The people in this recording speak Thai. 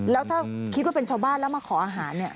แล้วถ้าคิดว่าเป็นชาวบ้านแล้วมาขออาหารเนี่ย